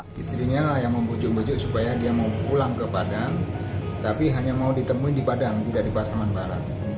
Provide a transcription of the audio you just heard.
istrinya yang membujuk bujuk supaya dia mau pulang ke padang tapi hanya mau ditemui di padang tidak di pasaman barat